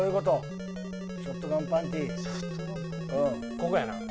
ここやな。